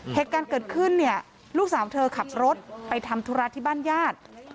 เหตุการณ์เกิดขึ้นเนี่ยลูกสาวเธอขับรถไปทำธุระที่บ้านญาติ